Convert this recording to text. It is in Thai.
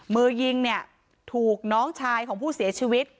มือยิงเนี่ยถูกน้องชายของผู้เสียชีวิต